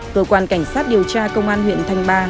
cơ quan cảnh sát điều tra công an huyện thanh ba